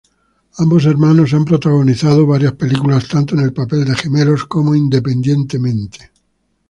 Ambos hermanos han protagonizado varias películas, tanto en el papel de gemelos como independientemente.